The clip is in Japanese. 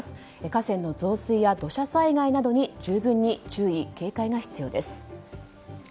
河川の増水や土砂災害などに十分に注意・警戒が必要です。